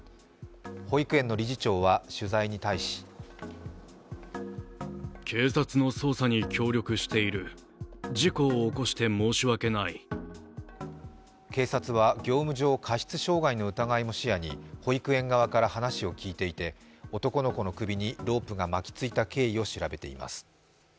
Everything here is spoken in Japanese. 保育園の理事長は取材に対し警察は業務上過失傷害の疑いも視野に保育園側から話を聞いていて、男の子の首にロープが巻き付いた経緯を調べています。